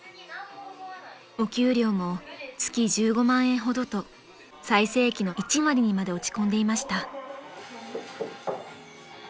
［お給料も月１５万円ほどと最盛期の１割にまで落ち込んでいました］